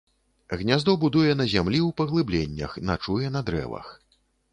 Гняздо будуе на зямлі ў паглыбленнях, начуе на дрэвах.